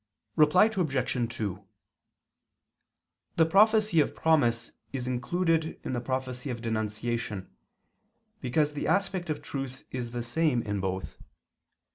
Reply Obj. 2: The prophecy of promise is included in the prophecy of denunciation, because the aspect of truth is the same in both.